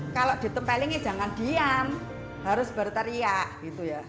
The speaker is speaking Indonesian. kalau ditempelingi jangan diam harus berteriak gitu ya